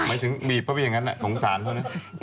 ไม่ถึงมีพระวิยงงั้นอ่ะโทษสารเถอะนะ